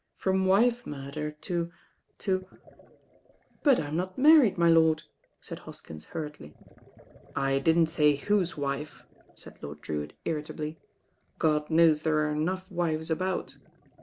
From wife murder to "But I'm not married, my lord," said Hoskins hurriedly. "I didn't say whose wife," said Lord Drewitt ir ritably. "God knows there are enough wives about.